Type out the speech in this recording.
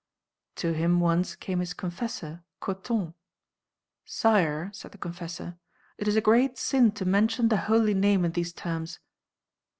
To him once came his confessor, Coton. "Sire," said the confessor, "it is a great sin to mention the holy name in these terms."